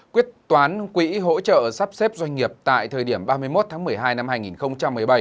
quyết toán quỹ hỗ trợ sắp xếp doanh nghiệp tại thời điểm ba mươi một tháng một mươi hai năm hai nghìn một mươi bảy